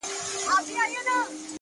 ما يې اوږده غمونه لنډي خوښۍ نه غوښتې،